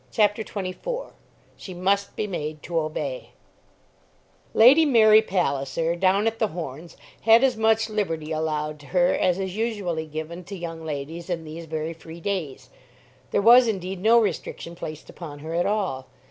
CHAPTER XXIV "She Must Be Made to Obey" Lady Mary Palliser down at The Horns had as much liberty allowed to her as is usually given to young ladies in these very free days. There was indeed no restriction placed upon her at all.